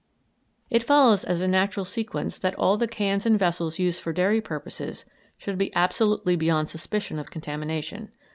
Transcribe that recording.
It follows as a natural sequence that all the cans and vessels used for dairy purposes should be absolutely beyond suspicion of contamination.